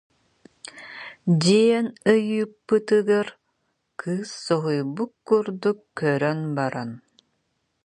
диэн ыйыппытыгар, кыыс соһуйбут курдук көрөн баран: